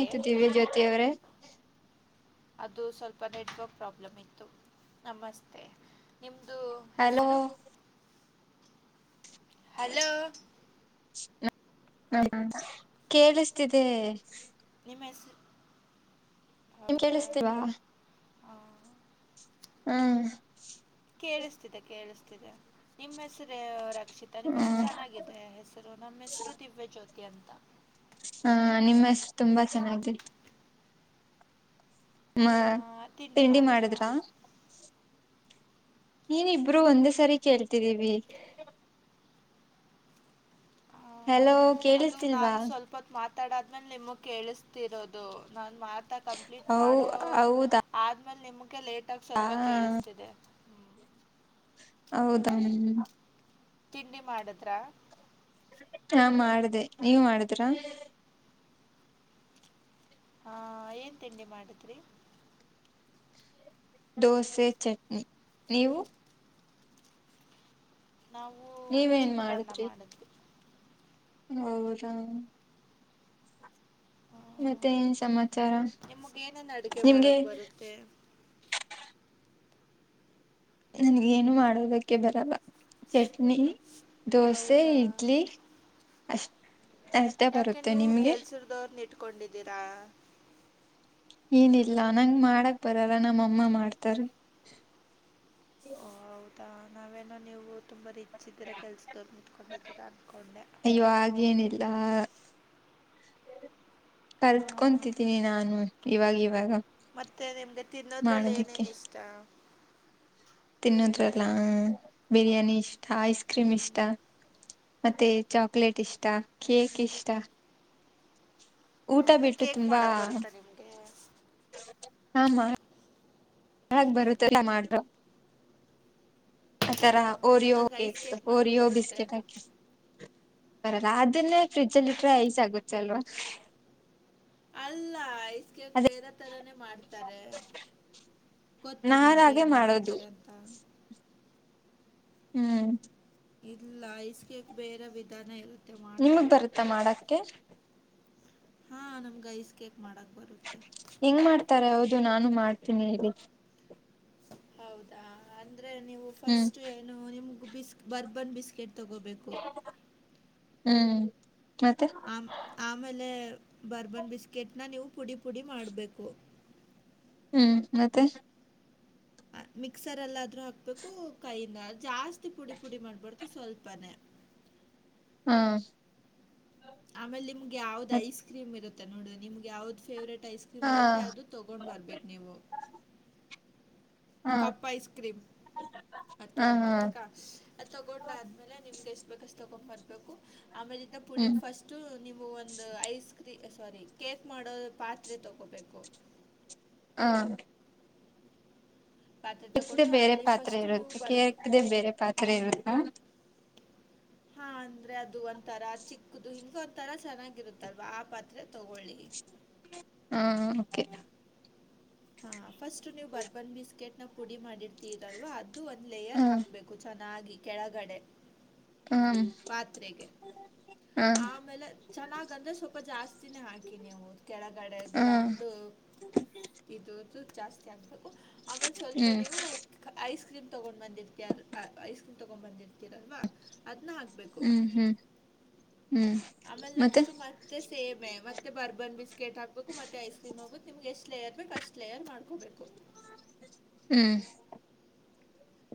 ಗೆ ದಿವ್ಯ ಜ್ಯೋತಿ ಅವ್ರೇ ಅದು ಸ್ವಲ್ಪ ನೆಟ್ವರ್ಕ್ ಪ್ರಾಬ್ಲಮ್ ಇತ್ತು ನಮಸ್ ನಿ ದು ಹಲೋ ಹೆಸರು ಹಲೋ ಹ್ಮ ಕೇಳಿಸ್ತಿದೆ ಮೆಸ ನಿಮ್ ಕೇಳಿಸ್ತೀವಾ ಆ ಹ್ಮ್ ಕೇಳಿಸ್ತಿದೆ ಕೇಳಿಸ್ತಿದೆ ನಿಮ್ಮ್ ಹೆಸರ ಅ್ಷಿತರ ಮ ಹೆಸರು ಹ್ಮ್ ಚೆನ್ನಾಗಿದೆ ಹೆಸರು ನಮ್ಮ ಹೆಸರು ದಿವ್ಯ ಜ್ಯೋತಿ ಎಂತ ಹಾ ನಿಮ್ಮಸ್ ತುಂಬಾ ಚೆನ್ನ ಮ ತಿಂಡಿ ಮಾಡಿದ್ರಾ ನೀನಬ್ರು ಒಂದ ಸರಿ ಕೇಳ್ತಿದ್ದೀವಿ ಆ, ಹಲೋ ಕೇಳಿಸ್ತಿಲ್ವಾ ಒತ್ತಡ ಆದ್ಮೇಲೆ ನಿಮಗ್ ಕೇಳಿಸ್ತಿರೋದು ನಾನು ಮಾತ ಕಂಪ್ಲೀಟ್ ಹೌ ಮಾಡೋ ಹೌದಾ ಆದ ಅೆ ಲೇಟ್ ಆಗ ಸ್ವಲ್ಪ ಕೇಳಿಸ್ತಿದೆ ಹ್ಮ್. ಹೌದಾ ತಿಂಡಿ ಮಾಡುದ್ರ ಹಾ ಮಾಡ್ದೆ ನೀವ್ ಮಾಡಿದ್ರ ಹಾ ಏನ್ ತಿಂಡಿ ಮಾಡಿದ್ರರಿ ದೋಸೆ ಚಟ್ನಿ ನೀವು ನಾವು ನೀವೇನ್ ಚಿತ್ರಾನ್ನ ಮಾಡಿದ್ವಿ ಹೌದ ಮತ್ತೆ ಏನ್ ಸಮಾಚಾರ ನಿಮಗೆ ಏನೇನು ಅಡುಗೆ ನಿಮ್ಗೆ ಮಾಡಕ್ ಬರುತ್ತೆ ನನ್ಗ ಏನು ಮಾಡೋದಕ್ಕೆ ಬರಲ್ಲ ಚಷ್ಟ ನೀ ದೋಸೆ ಹೌದಾ ಇಡ್ಲಿ ಅಷ್ಟ ಅಷ್ಟ ಯಾಕೆ ಬರುತ್ತೆ ನೀವು ನಿಮ್ಗೆ ಕೆಲ್ಸದವ್ರನ್ನ ಇಟ್ಕೊಂಡಿದ್ದೀರಾ ಏನಿಲ್ಲ ನಂಗ ಮಾಡಕ್ ಬರಲ್ಲ ನಮ್ಮಅಮ್ಮ ಮಾಡ್ತಾರ ಓ ಹೌದಾ ನಾವೆಲ್ಲ ನೀವು ತುಂಬಾ ರಿಚ್ ಇದ್ರ ಕೆಲ್ಸದವ್ರ ಇಟ್ಕೊಂಡಿದರ ಅನ್ಕೊಂಡೆ ಹ ಕರ್ತ್ಕೊಂತಿದ್ದೀನಿ ನಾನು ಇವಾಗ ಇವಾಗ ಮತ್ತೆ ನಿಮಗೆ ತಿನ್ನೋದ್ರಲ್ಲಿ ಮಾಡೋದಿಕ್ಕೆ ಏನೇನು ಇಷ್ಟ ತಿನ್ನೋದ್ರಲ್ಲ ಹ ಬಿರಿಯಾನಿ ಇಷ್ಟ ಐಸ್ ಕ್ರೀಮ್ ಹ್ಮ್ ಇಷ್ಟ ಮತ್ತೆ ಚಾಕ್ಲೇಟ್ ಇಷ್ಟ ಕೇಕ್ ಇಷ್ಟ ಊಟ ಹೌದಾ ಬಿಟ್ಟು ಕೇಕ್ ತುಂಬಾ ಮಾಡಕ್ ಬರುತ್ತಾ ನಿಮ್ಗೆ ಆಾಮ ಹಾಗ ಬರುತ್ತಲ್ಲ ಮಾಡರು ಆತರ [unintelligible] ನಂಗೆ ಓರಿಯೋಕ್ ಐಸ್ ಕೇಕ್ ಮಾಡಕ್ ಓರಿಯೋ ಬರುತ್ತೆ ಬಿಿಸಕೆಟ್ ಬರಲ್ಲ ಆದನ್ನೇ ಫ್ರಿಜಲ್ಲಿ ಇಟ್ರೆ ಐಸ್ ಆಗುತ್ತೆ ಅಲ್ವಾ ಅಲ್ಲ ಅದ ಬೇರೆ ತರಾನೇ ಮಾಡ್ತಾರೆ ಗೊತ್ತ ನಾನ್ ನಿಮ್ಗೆ ಹಾಗೆ ಹೆಂಗ್ ಮಾಡೋದು ಮಾಡ್ತಾರೆ ಅಂತ ಹ್ಮ್ ಇಲ್ಲ ಐಸ್ ಕೇಕ್ ಬೇರೆ ವಿಧಾನ ಇರುತ್ತೆ ನಿಮಗ್ ಮಾಡೋದು ಬರುತ್ತಾ ಮಾಡಕ್ಕೆ ಹಾ ನಮ್ಗ ಐಸ್ಕ್ ಹೆಂಗ್ ಮಾಡ್ತಾರೆ ಹೌದು ಇ ನಾನು ಮಾಡ್ತೀನಿ ಇಲ್ಲಿ ಹೌದಾ ಅ ಅಂದ್ರೆ ನೀವು ಹ್ಮ್ ಫಸ್ಟ್ ಏನು ನಿಮ್ ಬಿಸ್ ಬರ್ಬನ್ ಬಿಸ್ಕೆಟ್ ತಗೋಬೇಕು ಹ್ಮ್ ಮತ್ತೆ ಆ ಆಮೇಲೆ ಬರ್ಬನ್ ಬಿಸ್ಕೆಟ್ನ ನೀವು ಪುಡಿ ಪುಡಿ ಮಾಡ್ಬೇಕು ಹ್ಮ್ ಮತ್ತೆ ಮಿಕ್ಸರ್ಲ್ಲಾದ್ರು ಹಾಕ್ಬೇಕು ಕೈಯಿಂದ ಜಾಸ್ತಿ ಪುಡಿ ಪುಡಿ ಮಾಡ್ಬಾರ್ದು ಸ್ವಲ್ಪನೇ ಹ್ಮ ಆಮೇಲ್ಲಿ ಯಾವ್ದ ಐಸ್ಕ್ರೀಂ ಇರುತ್ತೆ ನೋಡ್ ನಿಮ್ಗೆ ಯಾವ್ದ್ ಫವ್ರೇಟ್ ಐಸ್ ಕ್ರೀಮ್ ಹಾ ಇರುತ್ತೆ ಅದು ತಗೊಂಡ್ ಬರ್ಬೇಕು ನೀವು ಹಾ ಕಪ್ ಐಸ್ ಕ್ರೀಮ್ ಅದ ಹಾ ಹಾ ತಗೊಂಬತಕ್ಕ ಅ ತಗೊಂಡ ಆದ್ಮೇಲೆ ನಿಮ್ಗೆ ಎಷ್ಟ ಬೇಕಸ್ ತೊಗೊಂಡು ಬರಬೇಕು ಆಮೇಲನ ಪುಡಿ ಹ್ಮ್ ಫಸ್ಟು ನೀವು ಒಂದು ಐಸ್ ಕ್ರೀ ಸಾರಿ ಕೇಕ್ ಮಾಡೋದು ಪಾತ್ರೆ ತಗೋಬೇಕು ಹಾ ಪಾತ್ರೆ ತಗೊಂಡು [unintelligible] ಬೇರೆ ಅಲ್ಲಿ ಪಾತ್ರೆ ಫಸ್ಟು ನೀವು ಇರುತ್ತೆ ಬರ್ಬ ಕೇಕ್ಡೆ ಬೇರೆ ಪಾತ್ರೆ ಇರುತ್ತಾ ಹಾ ಅಂದ್ರೆ ಅದು ಒಂತರ ಚಿಕ್ಕದು ಹಿಂಗ ಒಂತರ ಚೆನ್ನಾಗಿರುತ್ತಲ್ವಾ ಆ ಪಾತ್ರೆ ತಗೊಳ್ಳಿ ಹ್ಮ ಹಾ ಫಸ್ಟ್ ನೀವು ಬರ್ಬನ್ ಬಿಸ್ಕೆಟ್ ನ ಪುಡಿ ಮಾಡಿರ್ ಇರಲ್ವಾ ಅದು ಒಂದು ಹ ಲೇಯರ್ ಹಾಕ್ಬೇಕು ಚೆಂದ ನಾಗಿ ಕೆಳಗಡೆ ಹ್ಮ್ ಪಾತ್ರೆಗೆ ಹ ಆಮೇಲೆ ಚೆನ್ನಾಗ ಅಂದ್ರೆ ಸ್ವಲ್ಪ ಜಾಸ್ತಿನೇ ಹಾಕ ನೀವು ಕೆಳಗಡೆ ಹ ಗ್ರೌಂಡ್ ಇದು ಜಾಸ್ತಿ ಆಗುತ್ತೆ ಆಮೇಲೆ ಸ್ವಲ್ಪ ಹ್ಮ್ ನೀವು ಐಸ್ ಕ್ರೀಮ್ ತಗೊಂಡ್ ಬಂದಿರ್ತಿಾರ ಐಸ್ ಕ್ರೀ್ ತಗೊಂಡ ಬಂದಿರ್ತಿ ಲ್ವಾ ಅದ್ನ್ನ ಹ್ಮ್ ಹ್ಮ್ ಹ್ಮ್ ಆಮೇಲೆ ನೆಕ್ಸ್ಟ್ ಮತ್ತೆ ಸೇಮ್ ಮತ್ತೆ ಬರ್ಬನ್ ಬಿಸ್ೆಟ್ ಹಾಕ್ಬೇಕು ಮತ್ತೆ ಐಸ್ ಕ್ರೀಮ್ ಹಾಕ್ಬೇಕು ನಿಮ್ಗೆ ಎಷ್ಟ ಲೇಯರ್ ಬಿಟ್ ಫಸ್ಟ್ ಲೇಯರ್ ಮಾಡ್ಕೋಬೇಕು ಹ್ಮ್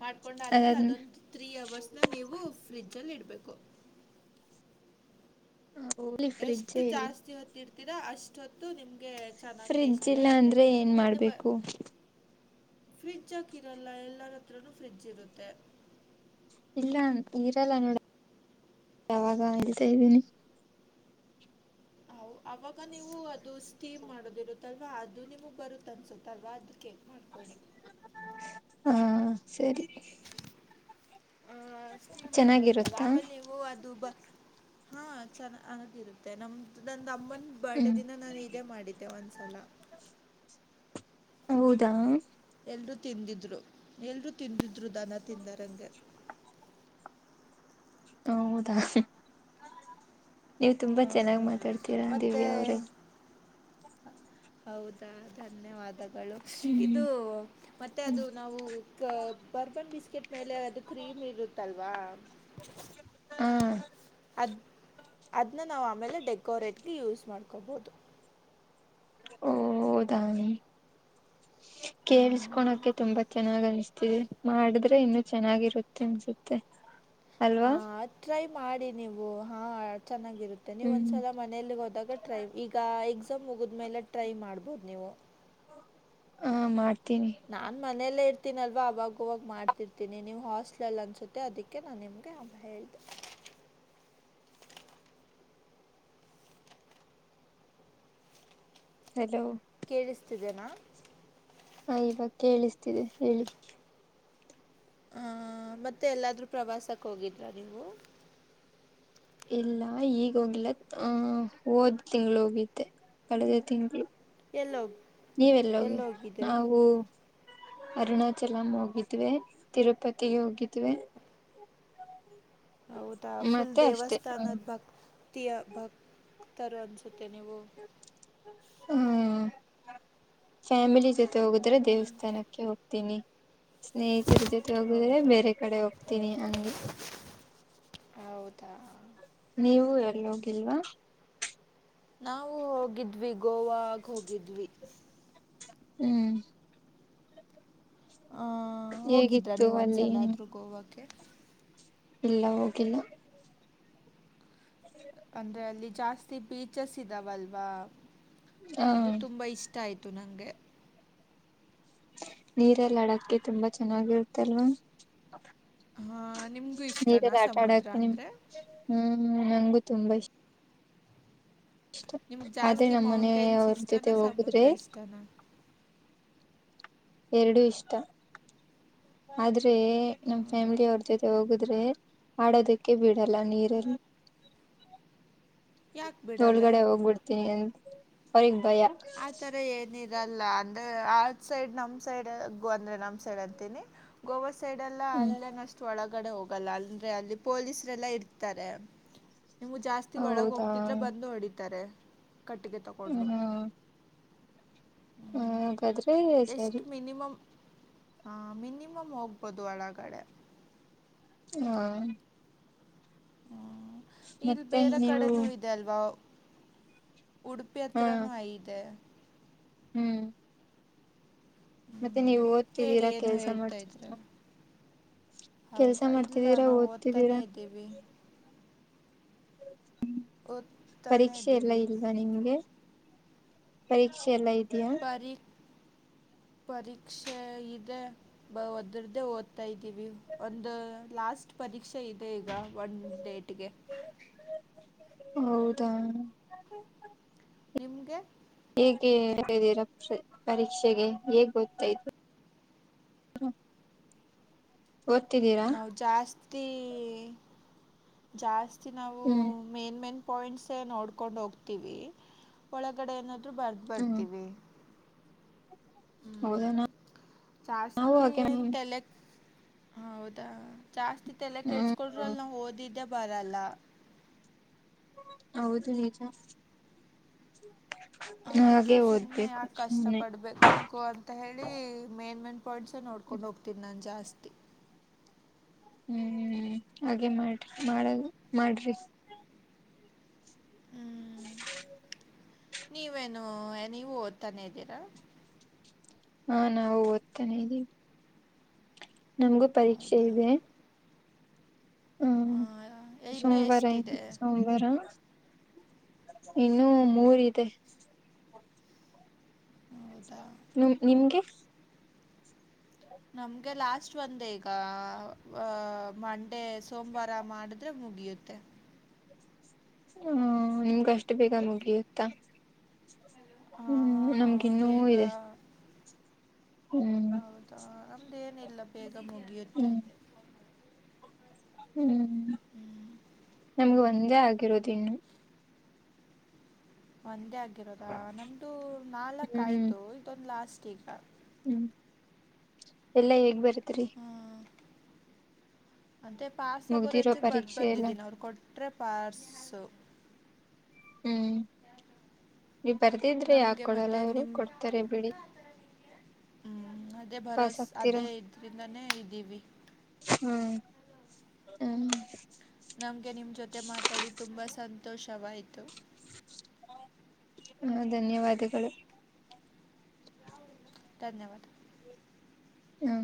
ಮಾಡಕೊಂಡ ಆದ್ಮೇಲೆ ಅದಾದ್ ಅದೊಂದ್ ತ್ರೀ ಅವರ್ಸ್ ನ ನೀವು ಫ್ರಿಜ ಅಲ್ಲಿ ಇಡ್ಬ ಬೇಕು ಹ ಹೋಗಲಿ ಫ್ರಿಡ್ಜೇ ಇಲ್ಲ ರಾ ಅಷ್ಟೊತ್ತು ನಿಮಗೆ ಚೆನ್ನಾಗಿ ಫ್ರಿಡ್ಜ್ ಟೇಸ್ಟ್ ಇಲ್ಲ ಬರುತ್ತೆ ಅಂದ್ರೆ ಏನ್ ಮಾಡ್ಬೇಕು ಫ್ರಿಡ್ಜ್ ಆಾಕಿರಲ್ಲ ಎಲ್ಲರ ಹತ್ರನೂ ಫ್ರಿಡ್ಜ್ ಇರುತ್ತೆ ಇಲ್ಲ ಈರಲ್ಲನೋಡ ಯಾಗ್ದೀನಿ ಹ ಅವಾಗ ನೀವು ಅದು ಸ್ಟೀಮ್ ಮಾಡೋದಿರು ಅಲ್ವಾ ಅದು ನಿಮಗ್ ಬರುತ್ ಅನ್ಸುತ್ತಲ್ವಾ ಅದ್ ಕ ಹಾ ಸರಿ ಆ್ ಸ್ಟೀಮ್ ಮಾಡದು ಬರುತ್ತದೆ ಚೆನ್ನಾಗಿರುತ್ತಾ ಆಮೇಲೆ ನೀವು ಅದು ಹಾ ಚ ಅನ್ನಾಗಿಿರುತ್ತೆ ನಮ್ದು ನಂದು ಅಮ್ಮನ್ ಬಡ ಹ್ಮ್ ದಿನ ನಾನು ಇದೇ ಮಾಡಿದ್ದೆ ಒಂದ್ಸಲ ಹೌದಾ ಎರು ತಿಂದಿದ್ರು ಎಲ್ರುೂ ತಿಂದಿದ್ರು ದಾನ ತಿಂದಾರಂಗೆ ಹೌದಾ ನೀವು್ ತುಂಬಾ ಚೆನ್ನಾಗ್ ಹಾಂ ಮಾತಾಡ್ತೀರಾ ಮತ್ತು ದಿವ್ಯಾ ಅವ್ರೇ ಹೌದಾ ಧನ್ಯವಾದ ಇದು ಹ್ಮ್ ಮತ್ತೆ ಹ್ಮ್ ಅದು ನಾವು ಬರ್ಬನ್ ಬಿಸ್ಕೆಟ್ ಮೇಲೆ ಅದು ಕ್ರೀಮ್ ಇರುತ್ತಲ್ವಾ ವಾ ಹಾ ಅದ ಅದ ನಾವು ಆಮೇಲೆ ಡೆಕೋೇಟ್ ಗೆ ಯೂಸ್ ಮಾಡ್ೀವಿ ಹಕೋಬೋುದು ಓದಾಮ ಹ್ಞೂ ಕೇಳಸ್ಕೊಳಕೆ ತುಂಬಾ ಚೆನ್ನಾಗನಿಸ ಮಾಡಿದ್ರೆ ಇನ್ನು ಚೆನ್ನಾಗಿರುತ್ತೆ ಅನ್ಸುತ್ತೆ ಹಾ ಅಲ್ವಾ ್ರ ಮಾಡಿ ನೀವು ಹಾ ಚೆನ್ನಾಗಿ ಇರುತ್ತೆ ನೀವು ಹ್ಮ್ ಒಂದ್ಲ ಮನಲಿ ಹೋದಾಗ ಟ್ರೈವ್ ಈಗ ಎ ಸ ಮುಗಿದ್ಮೇಲೆ ಟ್ರೈ ಮಾಡ್ಬೋದು ನೀವು ಹ ಮಾಡ್ ನಾನ್ ಮಾಡ ಮನೆಯಲ್ಲೇ ಇರ್ತೀನಲ್ವ ಅವಾಗವಾಗ ಮಾಡ್ತಿರ್ತೀನಿ ನೀವು ಹಾಸ್ಟ್ಲಲ್ ಅನ್ಸುತ್ತೆ ಅದಕ್ಕೆ ನಾನು ನಿಮಗೆ ಹೇಳಿದೆ ಹಲೋ ಕೇಳಿಸ್ತಿದೆೇನಾ ಹಾ ಇವಾಗ ಕೇಳಿಸ್ತಿದೆ ಹೇಳಿ ಹ ಮತ್ತೆ ಎಲ್ಲಾದ್ರೂ ಪ್ರವಾಸಕ್ ಹೋಗಿದ್ರ ನೀವು ಇಲ್ಲ ಈಗ ಹೋಗಿಲ್ಲ ಆ ಹೋದ್ ತಿಂಗಳ ಹೋಗಿದ್ದೆ ಕಳೆದ ತಿಂಗಳು ಎಲ್ಲೋಗಿ ನೀವೆಲ್ಲೋಗಿ ಎಲ್ಲೋಗಿದ್ರಿ ನಾವು ಅರುಣಾಚಲಂ ಹೋಗಿದ್ವೆ ತಿರುಪತಿಗೆ ಹೋಗಿದ್ವೆ ಹೌದಾ ಫುಲ್ ಮತ್ತೆ ಅಷ್ಟೆ ದೇವಸ್ಥಾನದ ಭಕ್ತಿಯ ಭಕ್ ತರು ಅನ್ಸುತ್ತ ತನೆವು ಹ್ಮ ಫ್ಯಾಮಿಲಿ ಹೋಗುದ್ರೆ ದೇವಸ್ಥಾನಕ್ಕೆ ಹೋಗ ತಿನಿ ಸ್ನೇಹಿತರ ಜೊತೆ ಹೋಗುದ್ರೆ ಹೌದಾ ಬೇರೆ ಕಡೆ ಹೋಗ್ತೀನಿ ಹಂಗೆ ಹೌದಾ ನೀವು ಎಲ್ಲೋಗಿಲ್ವಾ ನಾವು ಹೋಗಿದ್ವಿ ಗೋವಾಗ ಹೋಗಿದ್ವಿ ಹ್ಮ್ ಹ ಹೋಗಿದ್ರ ಹೇಗಿತ್ತು ನೀವು ಅಲ್ಲಿ ಒಂದ್ಸಲ ಆದ್ರರು ಗೋವಾಕ್ಕೆ ಇಲ್ಲ ಹೋಗಿಲ್ಲ ಹ ಅಂದ್ರೆ ಅಲ್ಲಿ ಜಾಸ್ತಿ ಬೀಚಸ್ ಇದಾವಲ್ವಾ ಹ ಅದು ತುಂಬಾ ಇಷ್ಟ ಇಷ್ಟ ಆಯ್ತು ನಂಗೆ ನೀರಲ್ಲಿ ಅಡಕ್ಕೆ ತುಂಬಾ ಚೆನ್ನಾಗಿರ್ತ್ತಲ್ವಾ ಹಾಂ ನಿಮಗೂ ಇಷ್ಟನಾ ನೀರೆಲ್ಲ ಆಟ ಆಡ ಸಮುದ್ರ ಆಕ್ತ ನಿಮ್ ಅಂದರೆ ಹ್ಮ್ ಹ್ಮ್ ನಂಗಗು ತುಂಬಾ ಇಷ್ಟ ಇಷ್ಟ ನಿಮ್ಗೆ ಆದ್ರೆ ಜಾಸ್ತಿ ನಮ್ಮ ಮನೆಯ ಮೌಂಟೇನ್ಸ್ ಅವ್ರ ಇಷ್ಟನಾ ಜೊತೆ ಹೋಗುದ್ರೆ ಸಮುದ್ರ ಇಷ್ಟನಾ ಎರಡುೂ ಇಷ್ಟ ಆದ್ರೆ ನಮ್ ಹೌದಾ ಫ್ಯಾಮಿಲಿ ಅವ್ರ ಜೊತೆ ಹೋಗುದ್ರೆ ಆಡೋದಕ್ಕೆ ಬಿಡಲ್ಲ ನೀರನ್ನು ಯಾಕೆ ಬಿಡಲ್ಲ ತೋಳಗಡೆ ಹೋಗ್ಬಿಡ್ತೀನಿ ಅಂತ ಅವರಿ ಆ ತರ ಏನಿಿಲ್ಲ ಇರಲ್ಲ ಅಂದ್ರೆ ಆ ಸೈಡ್ ನಮ್ ಸೈಡ್ ಅಂದ್ರೆ ನಮ್ ಸೈಡ್ ಅಂತೀನಿ ಗೋವಾ ಸೈಡ್ ಎಲ್ಲ ಹ್ಮ್ ಅಲ್ಲೇನ್ ಅಷ್ಟು ಒಳಗ ಒಗಡೆ ಹೋಗಲ್ಲ ಅಂದ್ರೆ ಅಲ್ಲಿ ಪೊಲೀಸರೆಲ್ಲಾ ಇರ್ತಾರೆ ನಿಮ್ಗೆ ಜಾಸ್ತಿ ಒಳಗ ಹೌದಾ ಹೋಗ್ತಿದ್ರ ಬಂದು ಹೊಡಿತಾರೆ ಕಟ್ಟಿಗೆ ತಗೊಂಡು ಹ್ಮ ಹಾಗಾದ್ರೆ ಸರಿ ಹಾ ಮಿನಿಮಮ್ ಹೋಗ್ಬೋದು ಒಳಗಡೆ ಹಾ ಹ್ಮ್ ಇಲ್ಲಿ ಮತ್ತೆ ಬೇರೆ ನೀವು ಕಡೆನೂ ಇದೆ ಅಲ್ವಾ ಉಡುಪಿ ಹಾ ಹತ್ರಿೂ ಐದೆ ಹ್ಮ್ ಮತ್ತೆ ನೀವ್ ಹ್ಮ್ ಹೇಳಿ ಓದ್ತಿದ್ದೀರಾ ಏನು ಕೆಲ್ಸ ಹೇಳ್ತಾ ಮಾಡ್ತಿದ್ದೀರಾ ಇದ್ರಲ್ಲ ಕೆಲ್ಸ ಹೌದಾ ಇಲ್ಲ ಮಾಡ್ತಿದ್ದೀರಾ ನಾವು ಓದ್ತಾನೇ ಓದ್ತಿದ್ದೀರಾ ಇದ್ದೀವಿ ಹ್ಮ್ ಓದ್ತಾನೆ ಪರೀಕ್ಷೆ ಎಲ್ಲಾ ಇದ್ದೀವಿ ಇಲ್ವಾ ನಿಮ್ಗೆ ಪರೀಕ್ಷೆ ಎಲ್ಲ ಇ ಪರಿ ಪರೀಕ್ಷೆ ಇದೆ ಬ ಒದ್ರ್ದೇ ಓದ್ತಾ ಇದ್ದೀವಿ ಒಂದು ಲಾಸ್ಟ್ ಪರೀಕ್ಷೆ ಇದೆ ಈಗ ಒನ್ ಡೇಟ್ಗೆ ಹೌದಾ ನಿಮ್ಗೆ ಹೇಗೆ ಹೇಳ್ಿದ್ದೀರ ಪರೀಕ್ಷೆಗೆ ಹೇಗ್ ಗೊತ್ತಾಯತ ನಾವು ಜಾಸ್ತಿ ಜಸ್ ಿ ನಾವು ಹ್ಮ್ ಮೇನ್ ಮೇನ್ ಪಾಯಿಂಟ್ಸ್ ನೋಡ್ಕೊಂಡ್ ಹೋಗ್ತವಿ ಒಳಗಡೆ ಏ ಬರ್ದ ಹ್ಮ್ ಬರ್ತೀವಿ ಹೌದು ಹ್ಮ್ ನಾವು ಜಾಸ್ತಿ ಹಾಗೆ ಏನ್ ಹ್ಮ್ ತಲೆಕ್ ಹೌದಾ ಜಾಸ್ತಿ ಎಲ್ಲ ಕೆೇಡ್ಸ್ಕೊಡ್ರರು ಅ ನಾವು ಓದಿದ್ದ್ಯ ಬರಲ್ಲ ಹೌದು ನಿಚ ಅದಕ್ಕೆ ಸುಮ್ನೆ ಯಾಕ ಕಷ್ಟ ಸುಮ್ನೆ ಪಡ್ಬೇಕು ಅಂತ ಹೇಳಿ ಮೇನ್ ಮೇನ್ ಪಾಯಂಟ್ಸ್ ನೋಡ್ೊಂಡು ಹ್ತೀಿ ನನ್ ಜಾಸ್ತಿ ಅಸ್ ಹ್ಮ್ ಹಾಗೆ ಮಾಡ್ರಿ ಮಾಡ ಮಾಡ್ರಿ ಹ್ಮ್ ಹ ನೀವೇನು ನೀವು ಓದ್ತಾನೆ ಇದ್ದೀರಾ ಹಾ ನಾವು ಓದ್ತಾನೆ ಇದ್ದೀವಿ ನಮಗೂ ಪರೀಕ್ಷೆ ಹೌದಾ ಇದೆ ಹ್ಮ ಹಾಂ, ಇನ್ನೂ ಸೋಮವಾರ ಎಷ್ಟಿದೆ ಸೋಮವಾರ ಇನ್ನುೂ ಮೂರ ಇದೆ ಹ್ಮ ನಿಮ್ಗೆ ನಮ್ಗೆ ಲಾಸ್ಟ್ ಒಂದ ಈಗ ಅ ಮಂಡೆ ಸೋಮವಾರ ಮಾಡಿದ್ರೆ ಮುಗಿಯುತ್ತೆ ಹ್ಮ ನಿಮ್ಗ ಅಷ್ಟು ಬೇಗಾ ಮುಗಿಯುತ್ತ ಹ್ಮ್ ಹಾಂ, ನಮ್ಗೆ ಇನ್ನೂ ಬೇಗ ಇದೆ ಹ್ಮ್ ಹೌದಾ ನಮ್ದು ಏನ ಮಲ್ಲೇ ಕಮೋಗ ಉತ್ತೆ ಹ್ಮ್ ಹ್ಮ್ ನಮಗೆ ಮುಜೆ ಆಗಿರೋದು ಇನ್ನು ಒಂದೇ ಆಗ ಹಿರೋದಾ ನಮ್ದು ನಾಲ್ಕ್ ಹ್ಮ್ ಆಯ್ತು ಇದೊಂದು ಲಾಸ್ಟ್ ಎ ಆ ಹ್ಮ್ ಎಲ್ಲಾ ಹೇಗ್ ಬರತ್ರಿ ಅತ್ತೆ ಪಾರ್ಸ್ಗೋರ್ ಮುಗ್ದಿರೋ ಹೆಚ್ಚಿಗೆ ಬರ್ ಪರೀಕ್ಷೆ ಎಲ್ಲ ಬಂದಿದ್ದೀನ ಅವ್ರು ಕೊಟ್ರೆ ಪಾರ್ಸ ಹ್ಮ್ ನೀವು ಬರ್ದಿದ್ರೆ ಯಾಕ ನಮಗೆ ಕೊಡಲ್ಲ ಮತ್ತು ಅವರು ನಿಮ್ಮ ಕೊಡ್ತಾರೆ ಬಿಡಿ ಅದೇ ಪಸ್ ಭರೋಸೆ ಆಕ್ತೀರಾ ಅದೇ ಇದರಿಂದನೇ ಇದ್ದೀವಿ ಹ್ಮ್ ಹ್ಮ ನಮ್ಗೆ ನಿಮ್ ಜೊತೆ ಮಾತಾಡಿ ತುಂಬಾ ಸಂತೋಷವಾಯ್ತು ಹ ಧನ್ಯವಾದಗಳು ಧನ್ಯವಾದ ಹ್ಮ